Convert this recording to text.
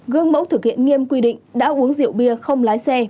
gương mẫu thực hiện nghiêm quy định đã uống rượu bia không lái xe